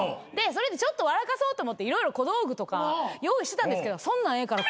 それでちょっと笑かそうと思って色々小道具とか用意してたんですけど「そんなんええから」